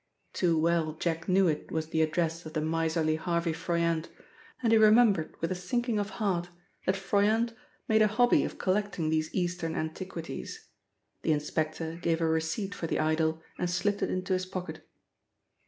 Too well Jack knew it was the address of the miserly Harvey Froyant, and he remembered with a sinking of heart that Froyant made a hobby of collecting these eastern antiquities. The inspector gave a receipt for the idol and slipped it into his pocket.